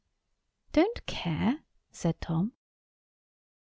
"Don't care?" said Tom.